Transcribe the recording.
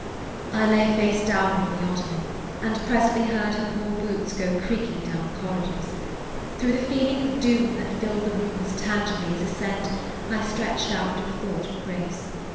I lay face downward on the ottoman and presently heard her poor boots go creaking down the corridors. Through the feeling of doom that filled the room as tangibly as a scent I stretched out to the thought of Chris.